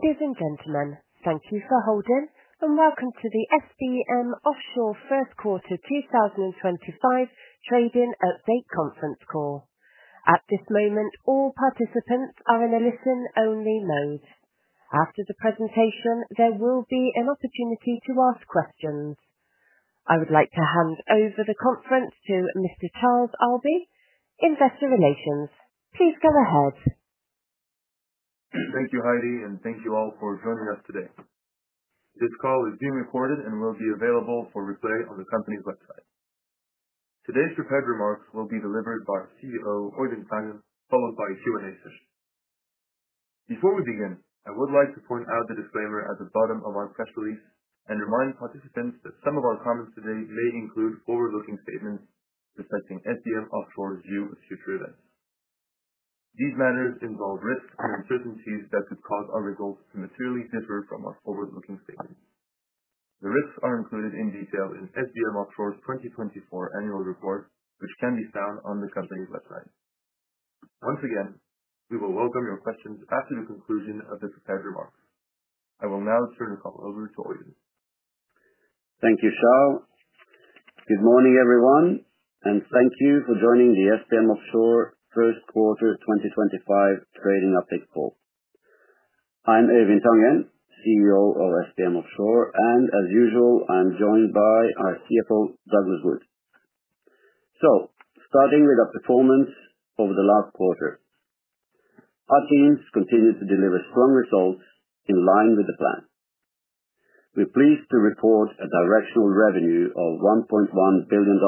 Ladies and gentlemen, thank you for holding, and welcome to the SBM Offshore First Quarter 2025 Trading Update Conference Call. At this moment, all participants are in a listen-only mode. After the presentation, there will be an opportunity to ask questions. I would like to hand over the conference to Mr. Charles Albers, Investor Relations. Please go ahead. Thank you, Heidi, and thank you all for joining us today. This call is being recorded and will be available for replay on the company's website. Today's prepared remarks will be delivered by CEO Øivind Tangen, followed by a Q&A session. Before we begin, I would like to point out the disclaimer at the bottom of our press release and remind participants that some of our comments today may include forward-looking statements reflecting SBM Offshore's view of future events. These matters involve risks and uncertainties that could cause our results to materially differ from our forward-looking statements. The risks are included in detail in SBM Offshore's 2024 annual report, which can be found on the company's website. Once again, we will welcome your questions after the conclusion of the prepared remarks. I will now turn the call over to Øivind. Thank you, Charles. Good morning, everyone, and thank you for joining the SBM Offshore First Quarter 2025 Trading Update Call. I'm Øivind Tangen, CEO of SBM Offshore, and as usual, I'm joined by our CFO, Douglas Wood. Starting with our performance over the last quarter, our teams continue to deliver strong results in line with the plan. We're pleased to report a directional revenue of $1.1 billion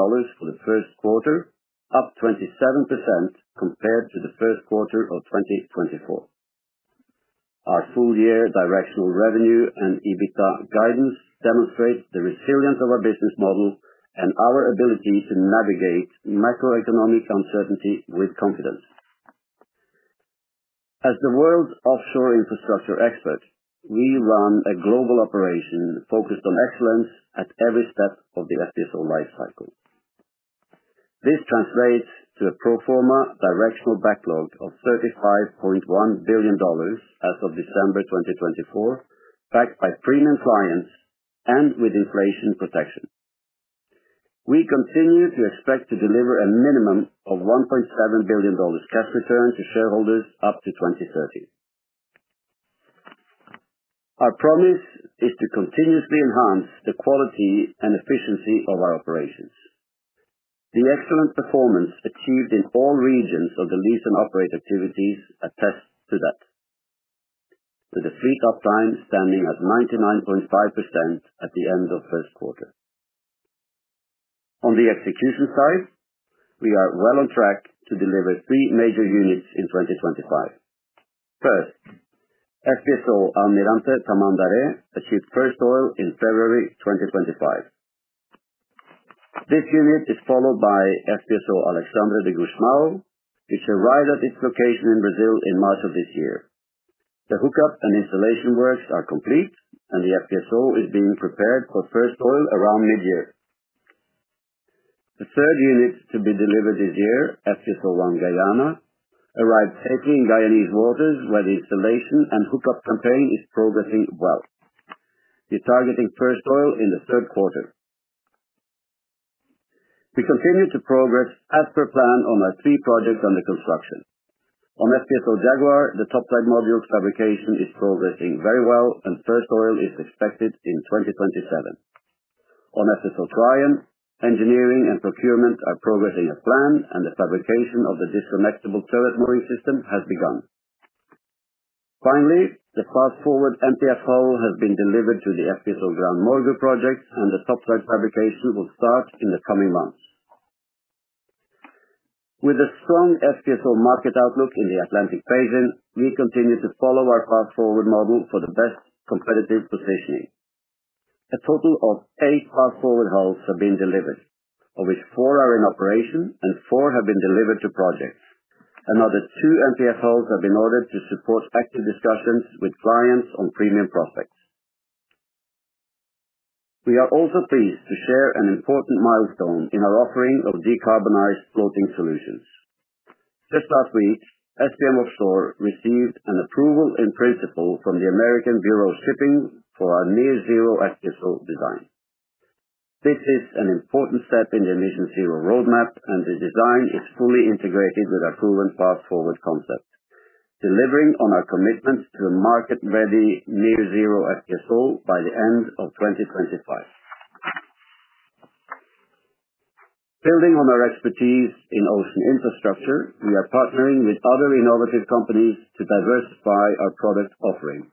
for the first quarter, up 27% compared to the first quarter of 2024. Our full-year directional revenue and EBITDA guidance demonstrate the resilience of our business model and our ability to navigate macroeconomic uncertainty with confidence. As the world's offshore infrastructure expert, we run a global operation focused on excellence at every step of the SBM Offshore life cycle. This translates to a pro forma directional backlog of $35.1 billion as of December 2024, backed by premium clients and with inflation protection. We continue to expect to deliver a minimum of $1.7 billion cash return to shareholders up to 2030. Our promise is to continuously enhance the quality and efficiency of our operations. The excellent performance achieved in all regions of the Lease and Operate activities attests to that, with the fleet uptime standing at 99.5% at the end of first quarter. On the execution side, we are well on track to deliver three major units in 2025. First, FPSO Almirante Tamandaré achieved first oil in February 2025. This unit is followed by FPSO Alexandre de Gusmão, which arrived at its location in Brazil in March of this year. The hookup and installation works are complete, and the FPSO is being prepared for first oil around mid-year. The third unit to be delivered this year, FPSO One Guyana, arrived safely in Guyanese waters, where the installation and hookup campaign is progressing well. We're targeting first oil in the third quarter. We continue to progress as per plan on our three projects under construction. On FPSO Jaguar, the topside module fabrication is progressing very well, and first oil is expected in 2027. On FPSO Triumph, engineering and procurement are progressing as planned, and the fabrication of the disconnectable turret mooring system has begun. Finally, the Fast4Ward MPF hull has been delivered to the FPSO GranMorgu project, and the topside fabrication will start in the coming months. With a strong FPSO market outlook in the Atlantic Basin, we continue to follow our Fast4Ward model for the best competitive positioning. A total of eight Fast4Ward hulls have been delivered, of which four are in operation and four have been delivered to projects. Another two MPF hulls have been ordered to support active discussions with clients on premium prospects. We are also pleased to share an important milestone in our offering of decarbonized floating solutions. Just last week, SBM Offshore received an approval in principle from the American Bureau of Shipping for our near-zero FPSO design. This is an important step in the emission zero roadmap, and the design is fully integrated with our proven Fast4Ward concept, delivering on our commitment to a market-ready near-zero FPSO by the end of 2025. Building on our expertise in ocean infrastructure, we are partnering with other innovative companies to diversify our product offering.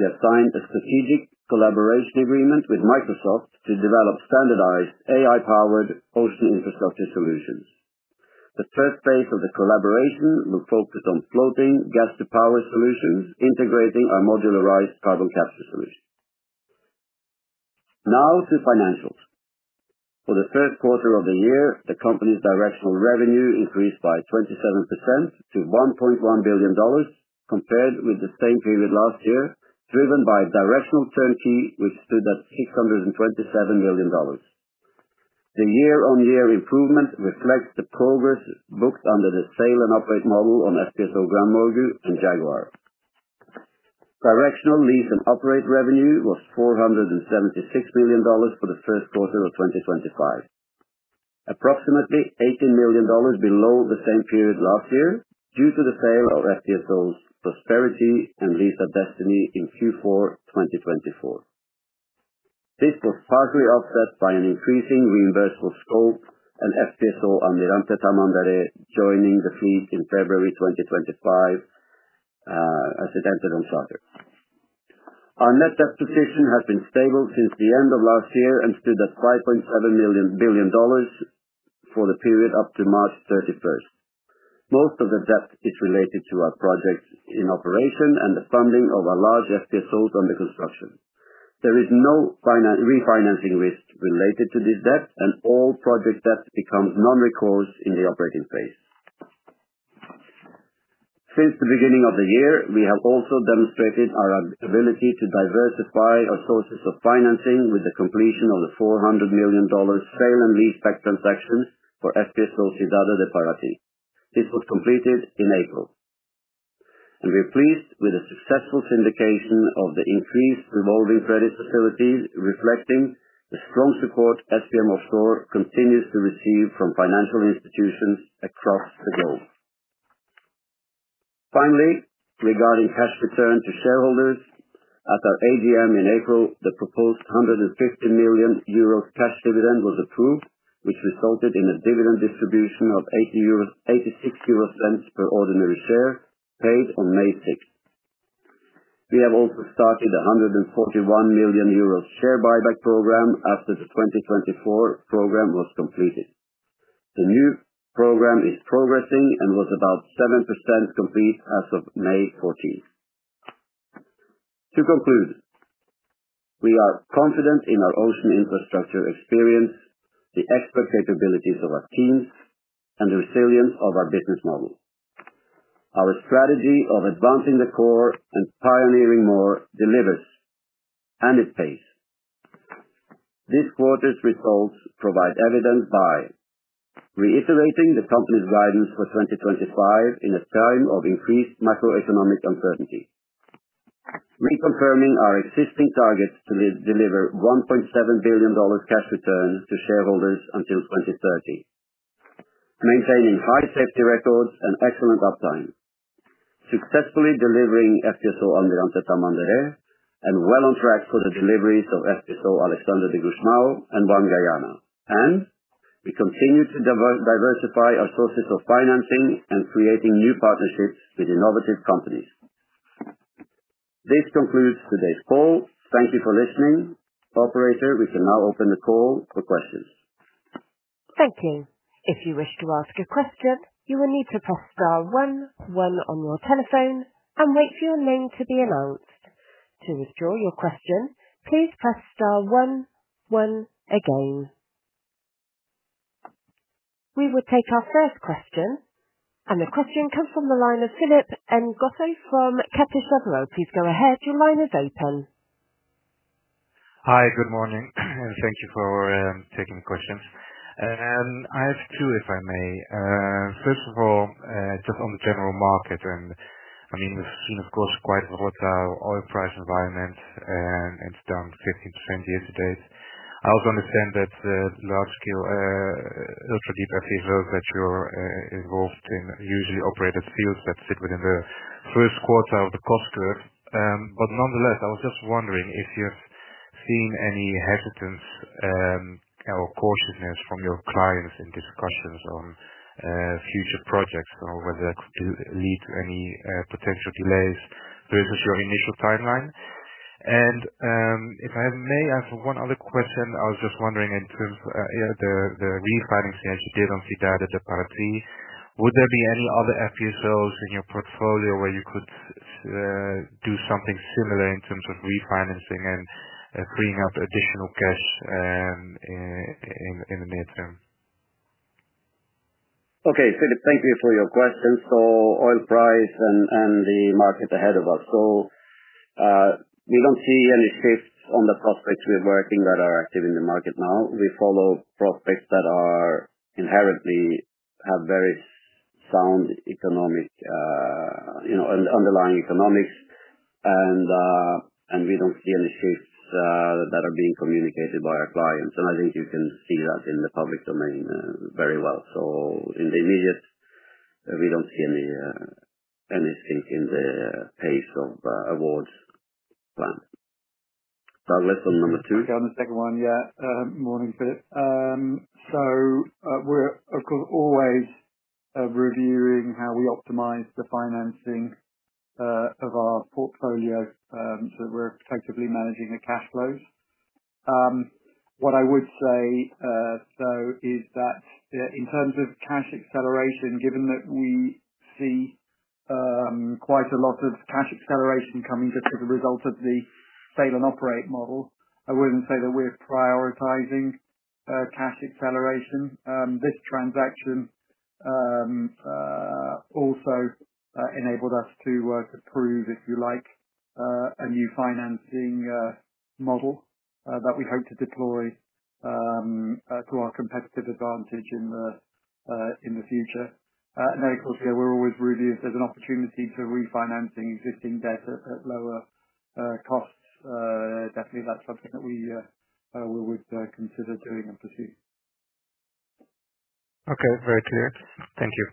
We have signed a strategic collaboration agreement with Microsoft to develop standardized AI-powered ocean infrastructure solutions. The first phase of the collaboration will focus on floating gas-to-power solutions, integrating our modularized carbon capture solution. Now to financials. For the first quarter of the year, the company's directional revenue increased by 27% to $1.1 billion, compared with the same period last year, driven by directional Turnkey, which stood at $627 million. The year-on-year improvement reflects the progress booked under the sale and operate model on FPSO GranMorgu and FPSO Jaguar. Directional Lease and Operate revenue was $476 million for the first quarter of 2025, approximately $18 million below the same period last year due to the sale of FPSO Prosperity and Lease at Destiny in Q4 2024. This was partially offset by an increasing reimbursable scope and FPSO Almirante Tamandaré joining the fleet in February 2025 as it entered on charter. Our net debt position has been stable since the end of last year and stood at $5.7 billion for the period up to March 31. Most of the debt is related to our projects in operation and the funding of our large FPSOs under construction. There is no refinancing risk related to this debt, and all project debt becomes non-recourse in the operating phase. Since the beginning of the year, we have also demonstrated our ability to diversify our sources of financing with the completion of the $400 million sale and lease-back transaction for FPSO Cidade da Paraty. This was completed in April, and we're pleased with the successful syndication of the increased revolving credit facilities, reflecting the strong support SBM Offshore continues to receive from financial institutions across the globe. Finally, regarding cash return to shareholders, at our AGM in April, the proposed 150 million euros cash dividend was approved, which resulted in a dividend distribution of 8.6 euros per ordinary share paid on May 6th. We have also started a 141 million euro share buyback program after the 2024 program was completed. The new program is progressing and was about 7% complete as of May 14th. To conclude, we are confident in our ocean infrastructure experience, the expert capabilities of our teams, and the resilience of our business model. Our strategy of advancing the core and pioneering more delivers, and it pays. This quarter's results provide evidence by reiterating the company's guidance for 2025 in a time of increased macroeconomic uncertainty, reconfirming our existing targets to deliver $1.7 billion cash return to shareholders until 2030, maintaining high safety records and excellent uptime, successfully delivering FPSO Almirante Tamandaré and well on track for the deliveries of FPSO Alexandre de Gusmão and FPSO One Guyana. We continue to diversify our sources of financing and creating new partnerships with innovative companies. This concludes today's call. Thank you for listening. Operator, we can now open the call for questions. Thank you. If you wish to ask a question, you will need to press star one, one on your telephone, and wait for your name to be announced. To withdraw your question, please press star one, one again. We will take our first question, and the question comes from the line of Philip Ngotho from Jefferies. Please go ahead. Your line is open. Hi, good morning, and thank you for taking the questions. I have two, if I may. First of all, just on the general market, I mean, we've seen, of course, quite a volatile oil price environment and down 15% year to date. I also understand that large-scale ultra-deep FPSOs that you're involved in usually operate at fields that sit within the first quarter of the cost curve. Nonetheless, I was just wondering if you've seen any hesitance or cautiousness from your clients in discussions on future projects or whether that could lead to any potential delays versus your initial timeline. If I may, I have one other question. I was just wondering in terms of the refinancing that you did on Cidade da Paraty, would there be any other FPSOs in your portfolio where you could do something similar in terms of refinancing and freeing up additional cash in the near term? Okay, Philip, thank you for your question. Oil price and the market ahead of us. We do not see any shifts on the prospects we are working that are active in the market now. We follow prospects that inherently have very sound economic and underlying economics, and we do not see any shifts that are being communicated by our clients. I think you can see that in the public domain very well. In the immediate, we do not see anything in the pace of awards planned. Douglas on number two. On the second one, yeah. Morning, Philip. So we're, of course, always reviewing how we optimize the financing of our portfolio so that we're effectively managing the cash flows. What I would say, though, is that in terms of cash acceleration, given that we see quite a lot of cash acceleration coming just as a result of the sale and operate model, I wouldn't say that we're prioritizing cash acceleration. This transaction also enabled us to approve, if you like, a new financing model that we hope to deploy to our competitive advantage in the future. Of course, we're always reviewing if there's an opportunity to refinance existing debt at lower costs. Definitely, that's something that we would consider doing and pursue. Okay, very clear. Thank you.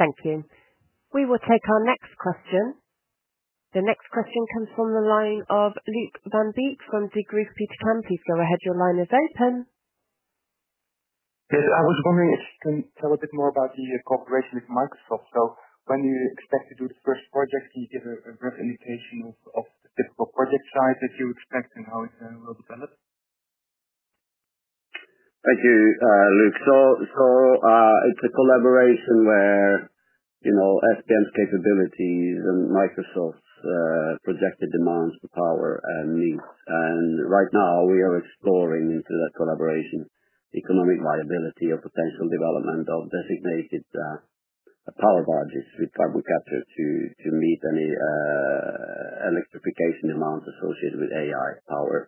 Thank you. We will take our next question. The next question comes from the line of Luke Van Beek from Degroof Petercam. Please go ahead. Your line is open. Yes, I was wondering if you can tell a bit more about the cooperation with Microsoft. When you expect to do the first project, can you give a brief indication of the typical project size that you expect and how it will develop? Thank you, Luke. It is a collaboration where SBM's capabilities and Microsoft's projected demands for power and needs. Right now, we are exploring into that collaboration, economic viability, or potential development of designated power budgets with carbon capture to meet any electrification demands associated with AI-powered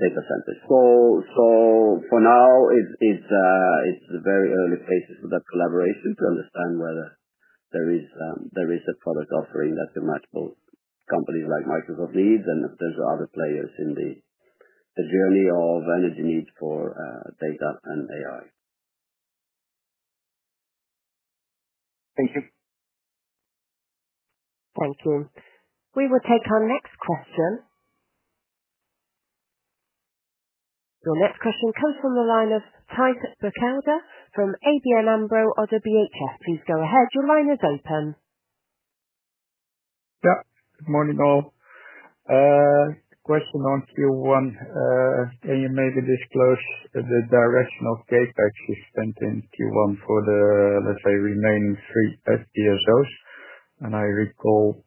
data centers. For now, it is very early phases for that collaboration to understand whether there is a product offering that the multiple companies like Microsoft need and potential other players in the journey of energy needs for data and AI. Thank you. Thank you. We will take our next question. Your next question comes from the line of [Tys Bokhada] from ABN AMRO or the BHF. Please go ahead. Your line is open. Yeah, good morning, all. Question on Q1. Can you maybe disclose the direction of gate access spent in Q1 for the, let's say, remaining three FPSOs? And I recall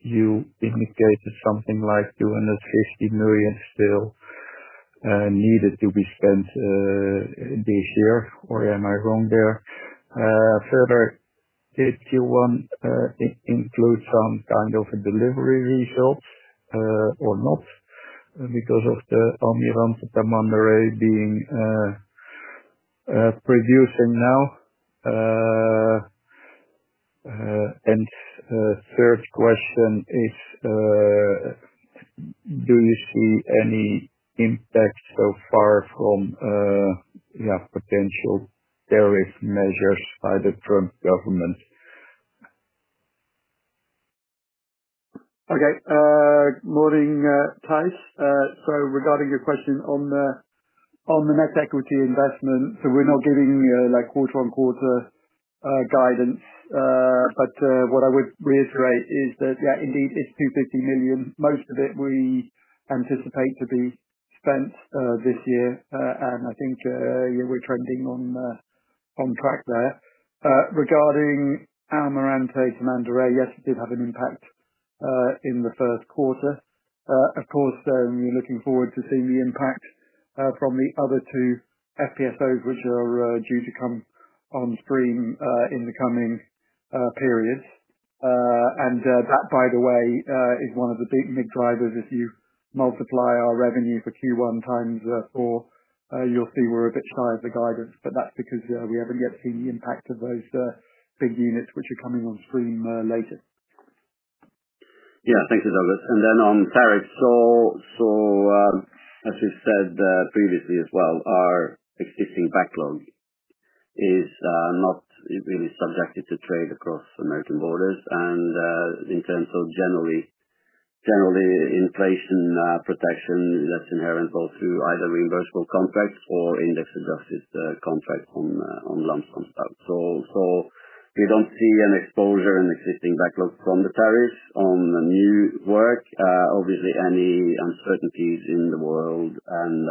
you indicated something like 250 million still needed to be spent this year, or am I wrong there? Further, did Q1 include some kind of a delivery result or not because of the Almirante Tamandaré being producing now? And third question is, do you see any impact so far from, yeah, potential tariff measures by the Trump government? Okay, morning, Tys. Regarding your question on the net equity investment, we're not giving quarter-on-quarter guidance, but what I would reiterate is that, yeah, indeed, it's 250 million. Most of it we anticipate to be spent this year, and I think we're trending on track there. Regarding Almirante Tamandaré, yes, it did have an impact in the first quarter. Of course, we're looking forward to seeing the impact from the other two FPSOs, which are due to come on stream in the coming periods. That, by the way, is one of the big drivers. If you multiply our revenue for Q1 times four, you'll see we're a bit shy of the guidance, but that's because we haven't yet seen the impact of those big units, which are coming on stream later. Yeah, thank you, Douglas. On tariffs, as we've said previously as well, our existing backlog is not really subjected to trade across American borders. In terms of generally inflation protection, that's inherent both through either reimbursable contracts or index-adjusted contracts on lump sum stuff. We do not see an exposure in existing backlog from the tariffs on new work. Obviously, any uncertainties in the world, and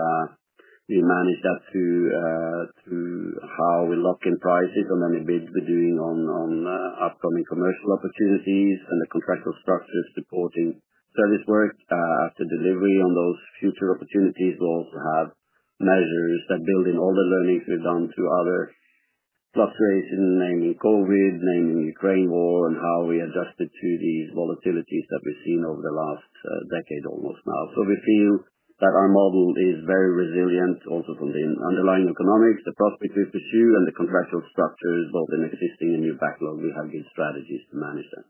we manage that through how we lock in prices and then bid we're doing on upcoming commercial opportunities and the contractual structures supporting service work after delivery on those future opportunities. We'll also have measures that build in all the learnings we've done through other fluctuations, namely COVID, namely Ukraine war, and how we adjusted to these volatilities that we've seen over the last decade almost now. We feel that our model is very resilient also from the underlying economics, the prospects we pursue, and the contractual structures, both in existing and new backlog. We have good strategies to manage that.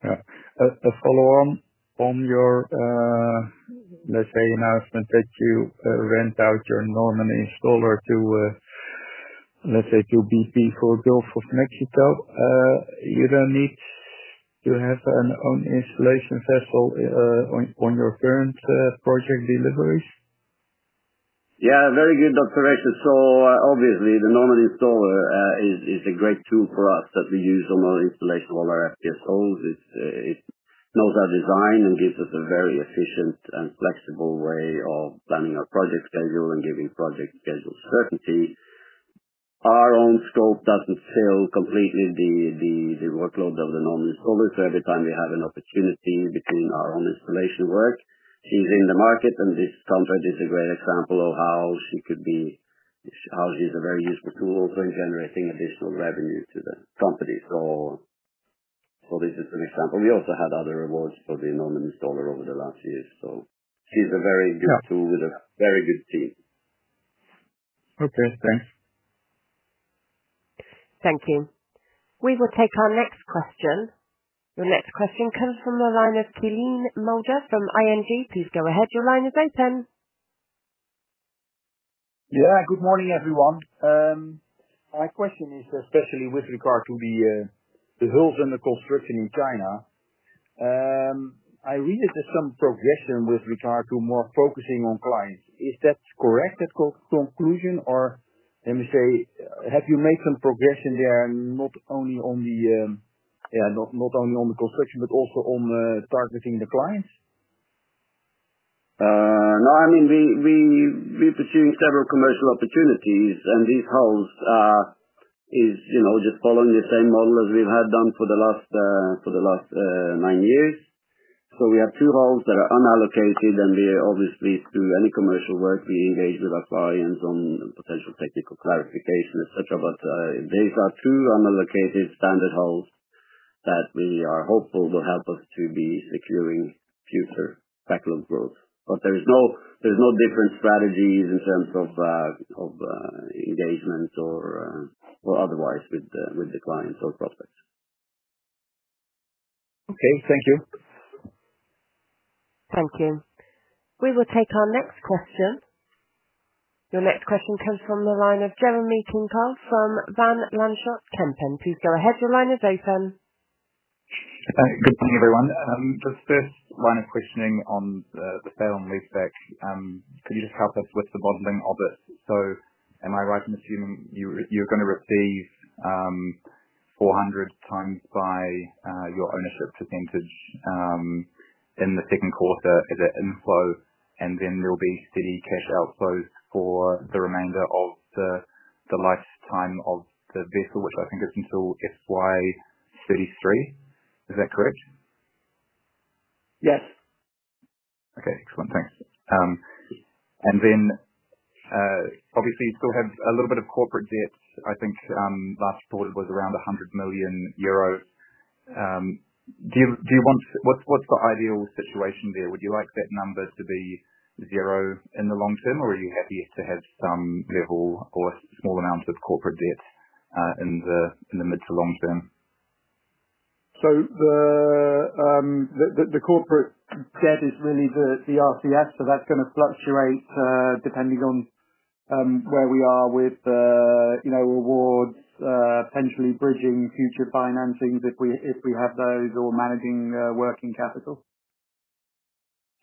Yeah. A follow-on on your, let's say, announcement that you rent out your Norman Installer to, let's say, to BP for Gulf of Mexico, you don't need to have an own installation vessel on your current project deliveries? Yeah, very good observation. Obviously, the Norman Installer is a great tool for us that we use on our installation of all our FPSOs. It knows our design and gives us a very efficient and flexible way of planning our project schedule and giving project schedule certainty. Our own scope does not fill completely the workload of the Norman Installer. Every time we have an opportunity between our own installation work, she is in the market, and this contract is a great example of how she is a very useful tool also in generating additional revenue to the company. This is an example. We also had other awards for the Norman Installer over the last year. She is a very good tool with a very good team. Okay, thanks. Thank you. We will take our next question. Your next question comes from the line of Kylie Moja from ING. Please go ahead. Your line is open. Yeah, good morning, everyone. My question is especially with regard to the hulls and the construction in China. I read it as some progression with regard to more focusing on clients. Is that correct, that conclusion, or let me say, have you made some progression there, not only on the, yeah, not only on the construction, but also on targeting the clients? No, I mean, we're pursuing several commercial opportunities, and these hulls are just following the same model as we've had done for the last nine years. We have two hulls that are unallocated, and we obviously, through any commercial work, we engage with our clients on potential technical clarification, etc. These are two unallocated standard hulls that we are hopeful will help us to be securing future backlog growth. There are no different strategies in terms of engagement or otherwise with the clients or prospects. Okay, thank you. Thank you. We will take our next question. Your next question comes from the line of Jeremy King Carl from Van Lanschot Kempen. Please go ahead. Your line is open. Good morning, everyone. Just this line of questioning on the sale and lease spec, could you just help us with the bottling of it? So am I right in assuming you're going to receive $400 times by your ownership percentage in the second quarter as an inflow, and then there'll be steady cash outflows for the remainder of the lifetime of the vessel, which I think is until fiscal year 2033? Is that correct? Yes. Okay, excellent. Thanks. Obviously, you still have a little bit of corporate debt. I think last reported was around 100 million euros. Do you want, what's the ideal situation there? Would you like that number to be zero in the long term, or are you happy to have some level or small amount of corporate debt in the mid to long term? The corporate debt is really the RCS, so that's going to fluctuate depending on where we are with awards, potentially bridging future financings if we have those or managing working capital.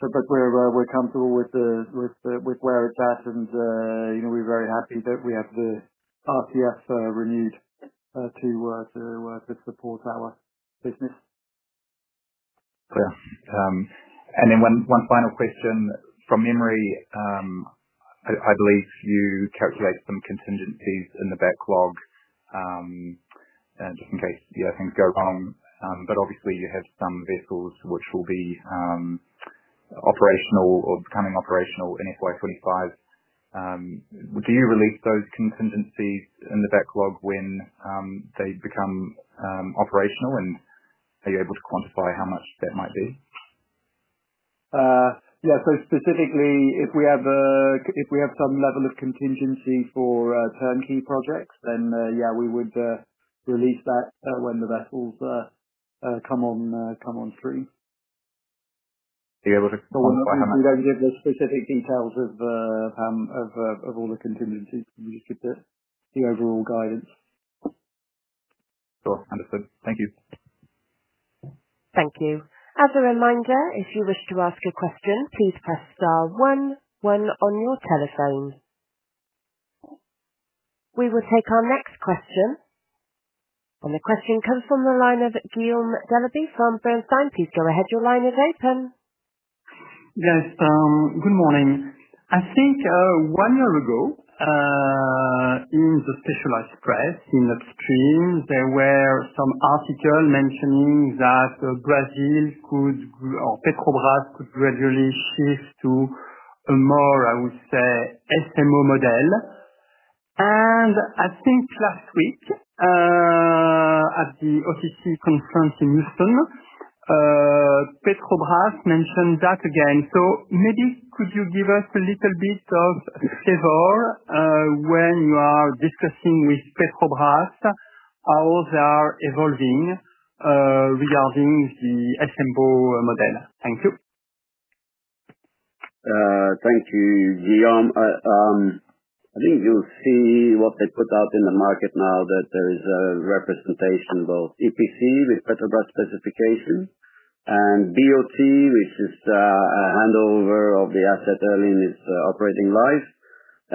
We're comfortable with where it's at, and we're very happy that we have the RCS renewed to support our business. Clear. And then one final question. From memory, I believe you calculate some contingencies in the backlog just in case things go wrong. Obviously, you have some vessels which will be operational or becoming operational in FY 25. Do you release those contingencies in the backlog when they become operational, and are you able to quantify how much that might be? Yeah, so specifically, if we have some level of contingency for turnkey projects, then yeah, we would release that when the vessels come on stream. Are you able to quantify how much? We do not give the specific details of all the contingencies. We just give the overall guidance. Sure, understood. Thank you. Thank you. As a reminder, if you wish to ask a question, please press star one, one on your telephone. We will take our next question. The question comes from the line of Guillaume Delaby from Bernstein. Please go ahead. Your line is open. Yes, good morning. I think one year ago in the specialized press in Upstream, there were some articles mentioning that Brazil could or Petrobras could gradually shift to a more, I would say, SMO model. I think last week at the OTC conference in Houston, Petrobras mentioned that again. Maybe could you give us a little bit of flavor when you are discussing with Petrobras how they are evolving regarding the SMO model? Thank you. Thank you, Guillaume. I think you'll see what they put out in the market now that there is a representation both EPC with Petrobras specification and BOT, which is a handover of the asset early in its operating life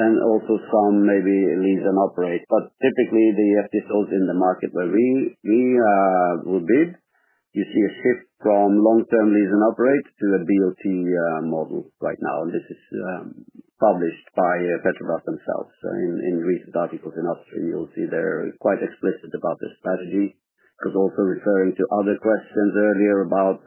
and also some maybe lease and operate. Typically, the FPSOs in the market where we will bid, you see a shift from long-term lease and operate to a BOT model right now. This is published by Petrobras themselves. In recent articles in Upstream, you'll see they're quite explicit about the strategy. I was also referring to other questions earlier about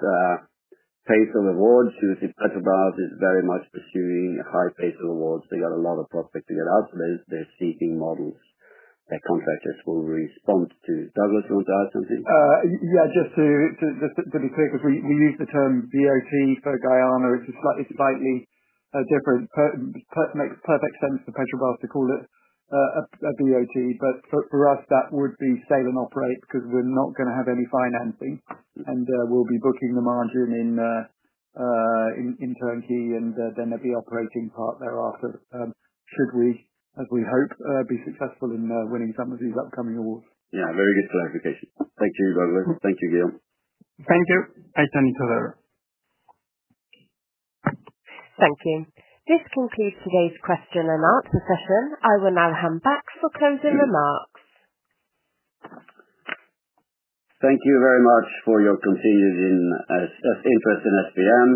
pace of awards. You see, Petrobras is very much pursuing a high pace of awards. They got a lot of prospects to get out, so they're seeking models that contractors will respond to. Douglas, do you want to add something? Yeah, just to be clear, because we use the term BOT for Guyana. It's slightly different. Makes perfect sense for Petrobras to call it a BOT, but for us, that would be sale and operate because we're not going to have any financing, and we'll be booking the margin in turnkey and then the operating part thereafter should we, as we hope, be successful in winning some of these upcoming awards. Yeah, very good clarification. Thank you, Douglas. Thank you, Guillaume. Thank you. I turn it over. Thank you. This concludes today's question-and-answer session. I will now hand back for closing remarks. Thank you very much for your continued interest in SBM.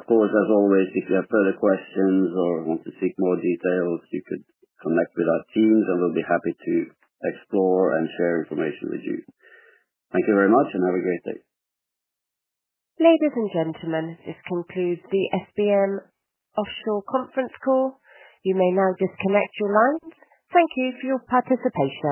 Of course, as always, if you have further questions or want to seek more details, you could connect with our teams, and we will be happy to explore and share information with you. Thank you very much, and have a great day. Ladies and gentlemen, this concludes the SBM Offshore Conference Call. You may now disconnect your lines. Thank you for your participation.